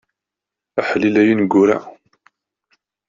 Aḥlil ay ineggura.